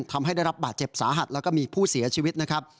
ทำให้ได้รับบาดเจ็บสาหัสแล้วก็มีผู้เสียชีวิตนะครับ